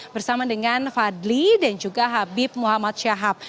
bersama dengan fadli dan juga habib muhammad syahab